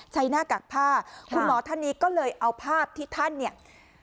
หน้ากากผ้าคุณหมอท่านนี้ก็เลยเอาภาพที่ท่านเนี่ย